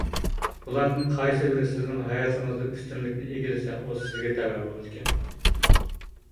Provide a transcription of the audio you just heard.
بۇلاردىن قايسى بىرى سىزنىڭ ھاياتىڭىزدا ئۈستۈنلۈكنى ئىگىلىسە ئۇ سىزگە تەۋە بولىدىكەن.